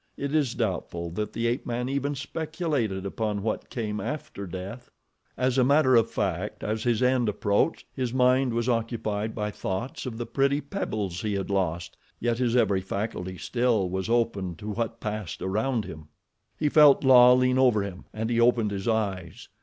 It is doubtful that the ape man even speculated upon what came after death. As a matter of fact as his end approached, his mind was occupied by thoughts of the pretty pebbles he had lost, yet his every faculty still was open to what passed around him. He felt La lean over him and he opened his eyes.